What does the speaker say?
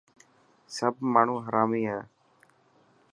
سب ماڻهو هرامي هي.